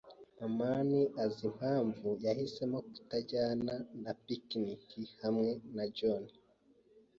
amani azi impamvu Mariya yahisemo kutajyana na picnic hamwe na John.